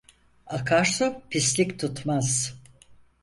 Akarsu pislik tutmaz.